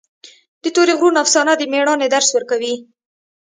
د تورې غرونو افسانه د مېړانې درس ورکوي.